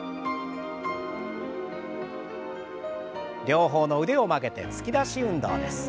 両方の腕を曲げて突き出し運動です。